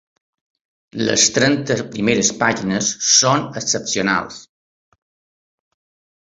Les trenta primeres pàgines són excepcionals.